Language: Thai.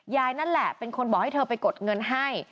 นั่นแหละเป็นคนบอกให้เธอไปกดเงินให้